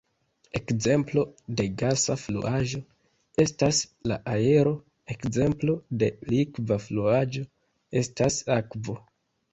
Ekzemplo de gasa fluaĵo estas la aero; ekzemplo de likva fluaĵo estas akvo.